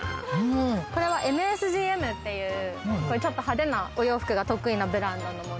これはＭＳＧＭっていうちょっと派手なお洋服が得意なブランドの物です。